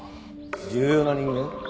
重要な人間？